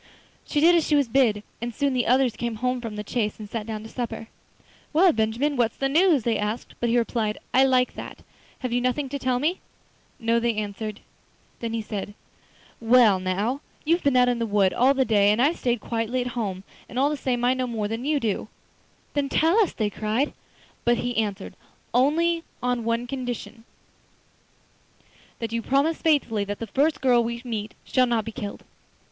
She did as she was bid, and soon the others came home from the chase and sat down to supper. 'Well, Benjamin, what's the news?' they asked. But he replied, 'I like that; have you nothing to tell me?' 'No,' they answered. Then he said: 'Well, now, you've been out in the wood all the day and I've stayed quietly at home, and all the same I know more than you do.' 'Then tell us,' they cried. But he answered: 'Only on condition that you promise faithfully that the first girl we meet shall not be killed.